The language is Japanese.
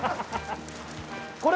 これ？